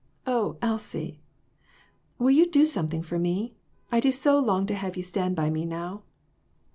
Oh, Elsie, will you do something for me ? I do so long to have you stand by me now."